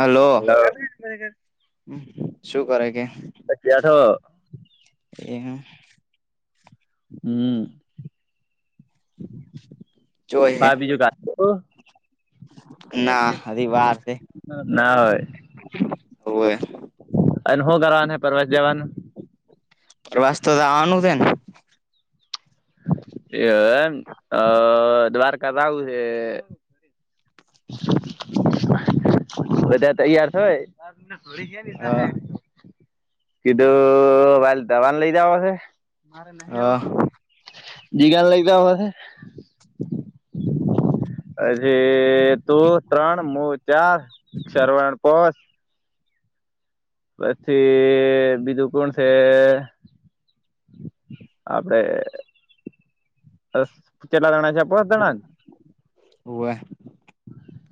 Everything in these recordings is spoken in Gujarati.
હલો શું કરે કે જછ તો એ હ હમ [inaudible] હા બીજું કા એક ના હજી વાર છે ના હોય અહો કરન હૈ પરવત જવાન વાસ તોવાનું છે ને એ એમ અ દ્વારકા જાવું છે. બધા તૈયાર થય હ તમને થોડી છે લીધા હ. હા કીધું વા દવાને લઈ જાવ હશેરે નહી. હા જી કાન લઈતા પછી તું ત્રણ મો ચાર શરવાણ પોસ પછી બીજું કોણ છે. આપડે કેટલા દણા છે પસ દણા હસમુખ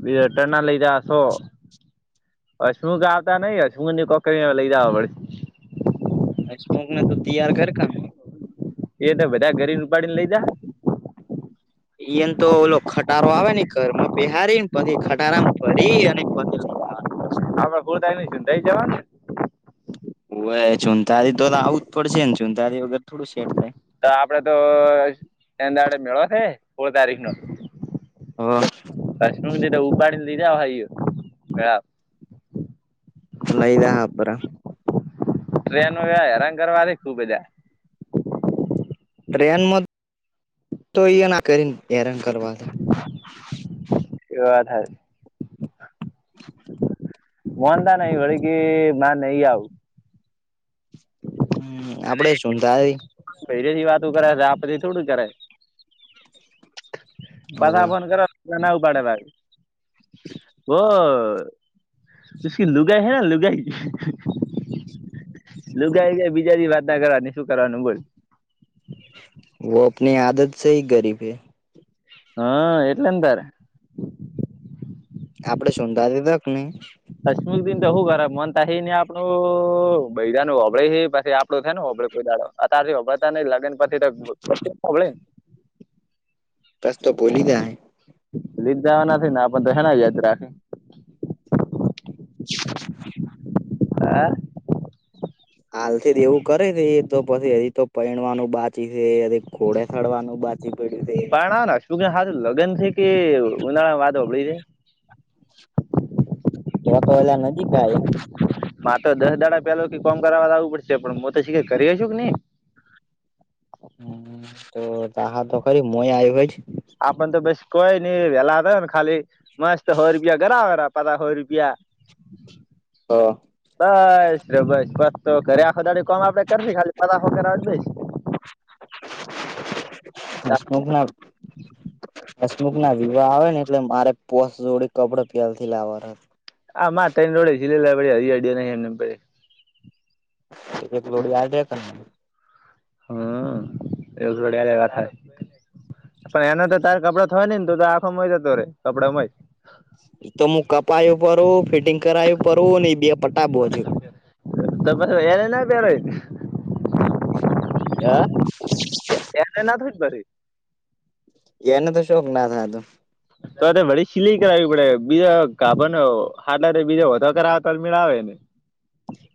બેટર ના લઈ રહ્યા છો અશમું ગ આવતા નઈિ હશમું ની કોકરી લઈધાવા પડશે અશમુખને તો તૈયાર કર ખા એને બધા ગરી ઉપાડી ને લઈ જા એઈ એમ તો ઓલો ખટારો આવે ને ઘર માં પેહારી ને પછી ખટારામ ફરી અને પછ. આપણે કુર થાય નઈું થઈ જવા ને હવે ચુંંતારી તો આવવું જ પડશે ને ચુંતારી વગર થોડું સેટ થાય તો આપડે તો એંદડે મેળવા છે સોળ તારીખ નો. હ કશમ દટ ઉપાડી દીધ ભાઈું લઈદા હા આપરા. ટ્રેન એ હેરાન કરવા ર ખુબ બજા. ટ્રેનમાં [unintelligible] કરીને હેરાન કરવા એ વાત હચ [inaudible] મનતા નહી ભી કે મારે નઈ આવ. હમ આપડે શુંંધ પેરે થી વાતું કરે છે આપ પધથી થોડું કરે બાધા ફોન કર ના નાું પાડે ભ ઓહકી લુગઈ હૈ લુગઈ લુગાય ગ બીજાજી વાત ના કરવાની શું કવાનું બોલ વો આપની આદત સ હ ગરીબ હૈ. હા એટલે તારે. આપડે શોંધા દીધા કે નહી. દસમુક દિન તો શું ખરા મનતા હને આપણું બૈરાનું હોબળે છે પછી આપ થ ને હોબળે કોઈ દાડોર હો ન લગન પથી હોબળે ને. કસ તો પોલી જાય. લીધ જવાના ને આપણ તો હના યાદ રાખે. [inaudible] હે હાલથી જ એવું કરે છે તો પછી હજી તો પૈણવાનું બાચી છે ઘોડે થડવાનું બાચ જ પડ પાણ શું કે હા લગ્ન છે કે ઉનાળા વાતોળી છે. તો વા તો વલા નજીક મા તો દસ દાડા પેલો કોમ કરવાાવ લવું પડશે પણ હું તો શીખ કરી છુ કે ઈ હ તો ત તો કરી મઈ આય હોય છે. આપણ તો બી કોય નઈ વેલા હતા ને ખાલી મસ્ હો રૂપિયા ઘરાબર પતા હો રૂપિયા હોય જ બસ બસ બસ તો ઘરે આખો દાડી કોણ આપડે કરશે ખાલી પતા હો રાખ દ હસમુખ ના હસમુખ ના વિવાહ આવે ને એટલે મારે પોસ જોડી કપડે પ્યાલ થી લાવવાર હતા. આા મા તને જોડી સીલેલા પડડી હડિયા ન એમને પડે એક લોડી આજ કર હમ એવ લડિયા જગા થાય. પણ એનો તો તારે કપડ થયો નનેને તો આખો મ જતો રે કપડાેમાં તો હું કપાવું ફરુ ફિટિંગ કરાવું ફરુ બે પટાબો હજુ ત એ ના પેાર હ એને ના થોઈ જ ભ એનો તો શોખ ના થાય તો તો ભ સિલાઈ કરાવવી પડે બીજા ગાબર હાટ બીજા ઓો કરાવ તો મેળવે ને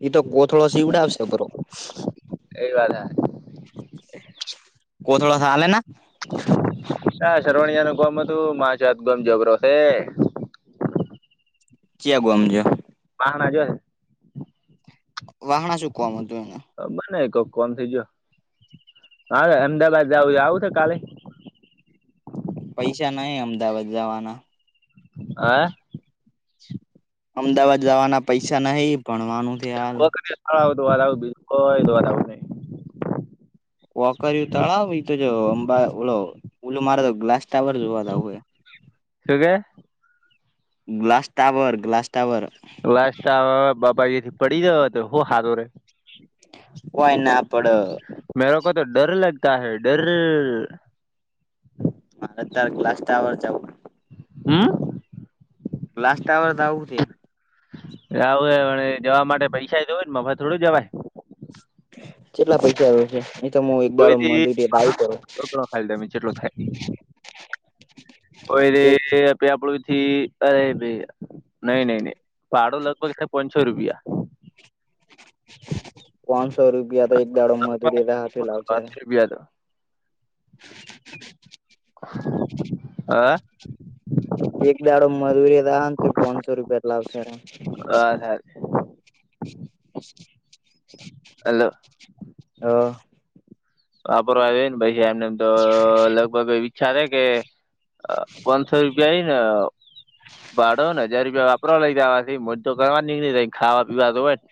ઈ તો કોથળો શિવડાવશે બરો એ વાત હ કો થોડાસા હલ ના હા સરવણિયા ન ગમ હતું માછત ગમ જોરો છે. ચે આ ગુંમજ વાહણા જો વાહણા ચૂકવાવામાં હતુ એને બને કોક કોમ થઈ ગયો હા અમદાવાાદ જવું આવું છે, કાલે પૈસા નહી અમદાવાદ જવાના [inaudible] અમદાવાદ જવાના પૈસા નહીિ પણવાનું છે, હાલ હ આવ તો વા આવું બિલકુલ વા આવું નહી. વોકરયું તળાવ તો જો અંબા ઓલો ઓલું મારે તો ગ્લાસ ટાવર જોવા દું શ કે glass tower glass tower last બાબાજી થી પડી ગયો હતો હું હાતો ર હો એના આપડ મેરો કો તો ડર લગતા હૈ ડર મારે ત્લાસ્ટ્ટર હ લ્લાસ્ટ્ટા વ ધઉું તે આવું એ પણ જવા માટે પૈસા દવું ને મર થોડું જવાય. કેટલા પૈસા આવ છે. તો હું એક દાડો કોથીક મજૂરી લાઈ કરું ખાય તમે જેટલો થાય કોઈ એક એ આપડુંથી અરે ભ નહી નહી નહી ભાડો લગભગ થાય પાંચસો રૂપિયા પાચસો રૂપિયા તો એક દાડો માંધું રેવા હા લાવશે વિવાદો [inaudible] એક દાડો મધરી રા ને તો પાંચસો રૂપિયા લાવશેમ અલ [inaudible] વાપરવા આવ્યો ભાઈ [unintelligible] લગભગ વિચારે કે અ, [inaudible] પાંચસો રૂપિયા હ ના ભડો ને હજાર રૂપિયા વાપરો લઈ દેવા મજ તો કરવા નીકળી ર ખાવા પીવા તો હોયને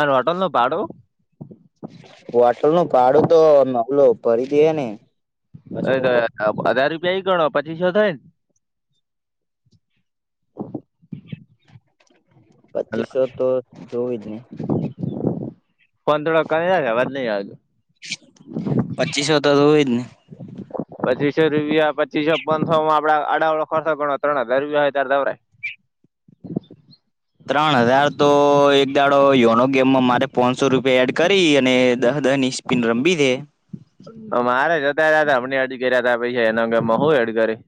અને હોટલ નુ ભાડો હોટલ નું ભાડું તો નવલો ભરી ડે ને હસમુકો હધાર રૂપિયા ઈ ગણો પચીસો થાય ને એટલે પચીસો તો જોવું જ ને પાંદડો કરી નાખે વાત નહીં આવતું પચીસો તો હોય જ ને પચીસો રૂપિયા પચીસો પંસો માં આપડા આડાવાડો ખર્ચો ગણો ત્રણ હજાર રૂપિયા હોયે ત્યારે જવાયે ત્રણ હજાર તો એક દાડો યોનો ગેમમાં મારે પોણસો રૂપિયા એડ કરી અને દહ દહ ની ટિમ રમી હે મારે જતા હતા હમને એડ કર્યા ત પછ એના હું એડ કરી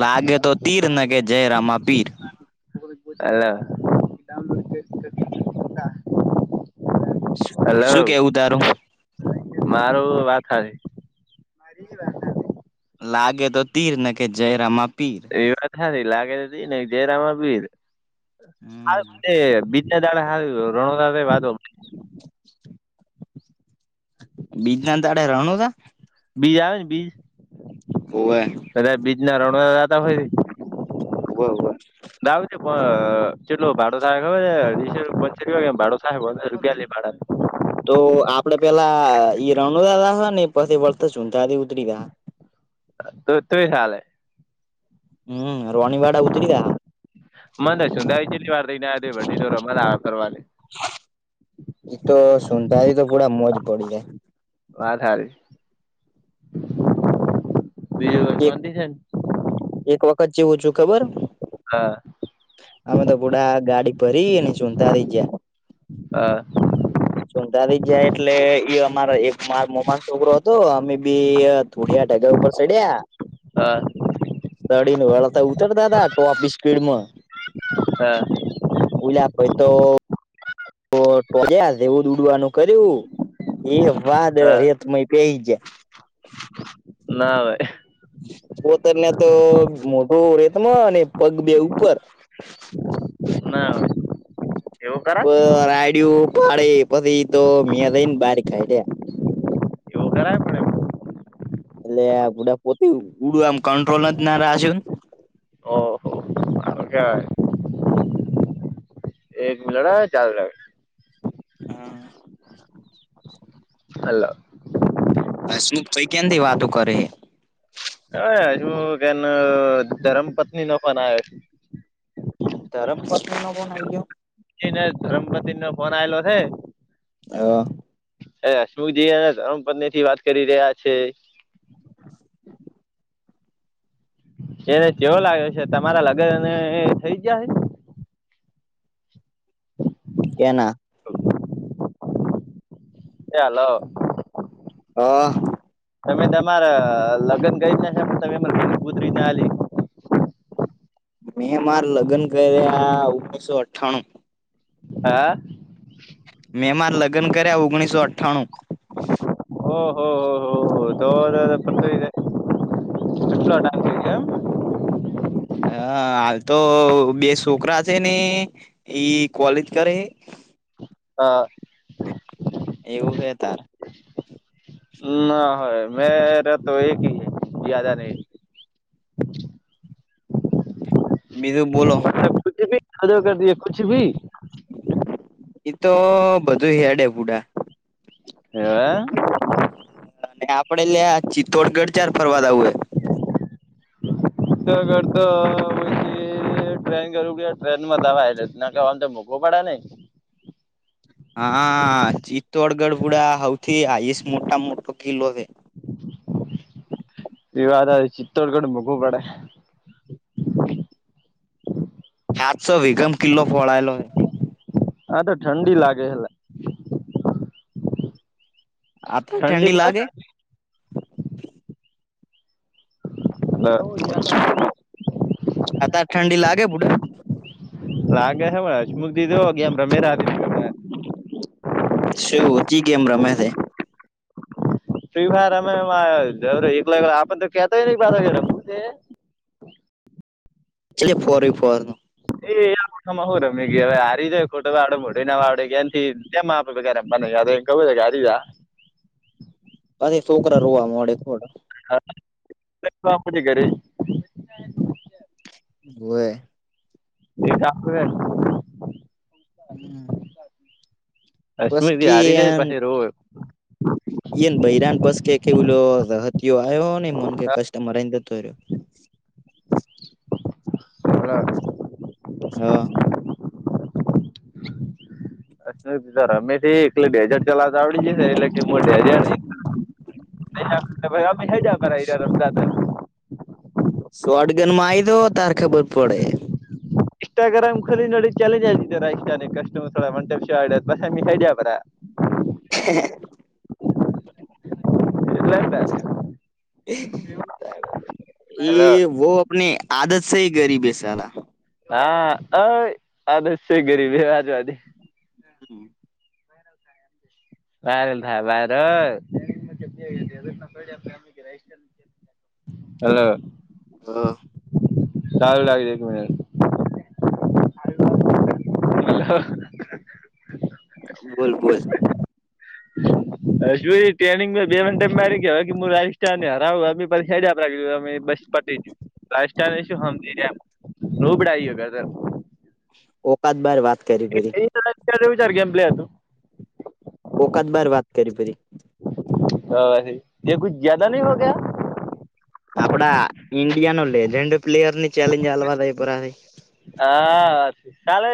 લાગે તો તીર ને કે જય રામા પીર એટલે [inaudible] હલો શું કેવું તારું મારું વાત હ લાગે તો તીર ન કે જય રામા પીર એ વાત હારી લાગે તો તિર નહીં તો જય રામા પીર [unintelligible] બીજના દહાડે રણું ત- બીજ આવે ને બીજ હોવે કદાચ બીજના રણ આતા હોય. હોવે હોવે દાવું છે કેટલો ભાડું થહે ખબર છે પંચર રૂપિયા કે ભાડો થ રૂપિયા લે ભાડ તો આપણે પેલા ઈ રણો દાદા હો ને પછી વર્ત ચૂતાથી ઉતરી ગયા. તો ત્રી હાલેે હમ્મ રોણી વાડા ઉતરી તા હ મને તો છેલી વાર રઈને આ દે દો મ ફરવાની ઈતો સુતાલી તો પૂરા મોજ પડી જાય. વાત હારી બીજું એક સોનતી છે ને એક વખત જેવું છું ખબર હા. અમે તો પુડા ગાડી ભરી ને ચૂંધા થઈજયા. હા. સુંતાારી જાય એટલે એ અમારા એકમા મોમા છોકરો હતો. અમે બી થોડીયા ઢગા ઉપર ચડિયા. હા. દડીને વળતા ઉતરતા હતા ટોપી સ્પીડમાં હા. ઉલા ભાયતો તો ટો જ્યા દેવું દ ઉડવાનું કર્યું એ વાદ હા હેતમય તયજાય ના આવેે. પોતર ને તો મોટો રેતમાં ને પગ બે ઉપર- ના હોય એવું પ કરાય રાડિયું ફાડે પછી તો મં થઈને બાર કાડિયા એવો કરય પડ એટલે બધ પોતે ઉડું આમ કંટ્રોલ જ ના રહ છે. ઓહ. અ [unintelligible] એક મીલાડા ચાલ હા. હલો. બસું કઈ કેમથી વાતો કરે. હવે હજુ કે ધરમ પત્નીનનો ફોન આવ્યો. ધરમ પત્નીનો ફોન આવ્યો? ધરમ પત્નીનો ફોન આલો હે હ [inaudible] હ હશમુખજી અને ધર્મ પત્ની થી વાત કરી રહ્યા છે એને કેવો લાગ્યો છે તમારા લગ્નને થઈ ગયા હે કેના છે એ હલો. હ. તમે તમારા લગ્ન ગઈને છે તમે ગ કૂતરી નાલી. મેં મારે લગ્ન કર્યા ઓગણીસો અઠ્ઠાણું. હા. મેં મારા લગ્ન કર્યા ઓગણીસો અઠ્ઠાણું. ઓહહ હોહ હો તો પતોઈ. એમ [inaudible] હ હાલ તો બે છોકરા છે ને ઈ કોલેજ કરે એ? હા. એવું હ તાર ના હોય મેરે તો એક જજા નહી. હમ [inaudible] ખુછી ખ દ કરી દ ખુછી [unintelligible] એ તો બધું હેડે બૂડા હે [inaudible] અને આપડે લ્યા ચિત્તોડગઢ ચાર ફરવાદ આવું ત કરતાછી [unintelligible] એ ટ્રેન કરું પડ ટ્રેનમાં દવા એલે ના કવામ તો મોકો પડે નહ હા ચિત્તોડગઢ ભુડા સૌથી આયસ મોટા મોટો કિલ્લો છે [inaudible] વિવાદ ચિત્તોડગઢ મકવું પડે આજો વેગમ કિલ્લો ફળાયેલો આ તો ઠંડી લાગે એલા આ ઠંડી લાગે હ [inaudible] આતા ઠંડી લાગે બુડા રાગ હવાળ અશ મુગ દીે હગી એમ રમેી આ શું ચી કેમ રમે છે ફ્રી ફાયર અમે જ એકલા આપ તો કેતાય પાછા [unintelligible] [unintelligible] [unintelligible] પછી છોકરા રોવા મળે થોડા [unintelligible] ઘરે [unintelligible] વે [unintelligible] બસ કે [unintelligible] [unintelligible] [inaudible] હા [unintelligible] [unintelligible] [unintelligible] [unintelligible] [unintelligible] [inaudible] [inaudible] હલો [unintelligible] [unintelligible] [inaudible] વાયરલ થાય વાયરલ હલો હા [unintelligible] બોલ બોલ [unintelligible] [unintelligible] [unintelligible] [unintelligible] [unintelligible] [unintelligible] [unintelligible] [unintelligible] [unintelligible]